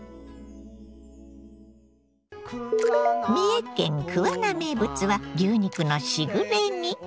三重県桑名名物は牛肉のしぐれ煮。